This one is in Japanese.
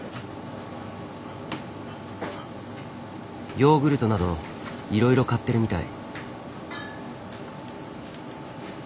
ヨーグルトなどいろいろ買ってるみたい。